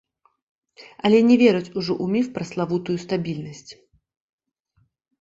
Але не вераць ужо ў міф пра славутую стабільнасць.